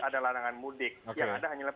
ada larangan mudik yang ada hanyalah